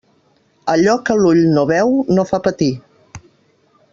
Allò que l'ull no veu no fa patir.